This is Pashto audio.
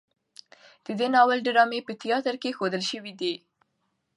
د دې ناول ډرامې په تیاتر کې ښودل شوي دي.